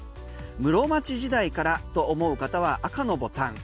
室町時代からと思う方は赤のボタン。